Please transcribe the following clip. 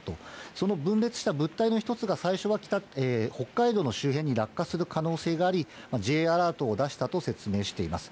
その分裂した物体の１つが、最初は北海道の周辺に落下する可能性があり、Ｊアラートを出したと説明しています。